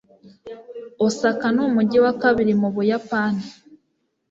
osaka n'umujyi wa kabiri mu buyapani